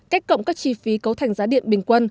cách cộng các chi phí cấu thành giá điện bình quân